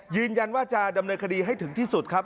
ยืนยันว่าจะดำเนินคดีให้ถึงที่สุดครับ